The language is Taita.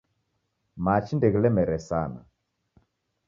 Machi ndeghilemere sana